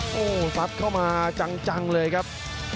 โอ้โหซัดเข้ามาจังเลยครับ